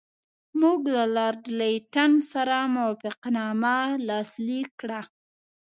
موږ له لارډ لیټن سره موافقتنامه لاسلیک کړه.